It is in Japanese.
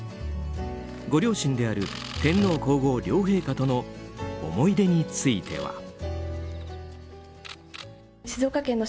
ご両親である天皇・皇后両陛下との思い出については。